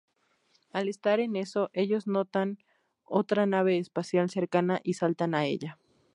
Al estar en eso ellos notan otra nave espacial cercana y saltan a ella.